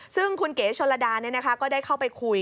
ซึ่งคุณเก๋โชลดาเนี่ยนะคะก็ได้เข้าไปคุย